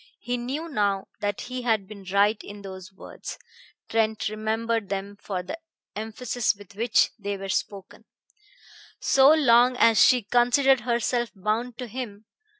He knew now that he had been right in those words Trent remembered them for the emphasis with which they were spoken "So long as she considered herself bound to him